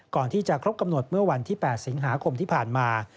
ก่อนที่จะครบกำหนดเมื่อวันที่๘สิงหาคมที่ผ่านมา